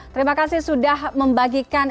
terima kasih sudah membagikan